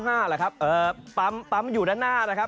อ๋อ๙๕หรือครับปั๊มอยู่ด้านหน้านะครับ